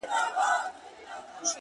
دا ستا د حسن د اختر پر تندي،